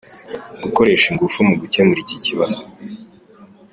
Gukoresha ingufu mu gukemura iki kibazo.